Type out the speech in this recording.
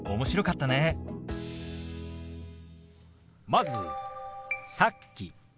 まず「さっき」。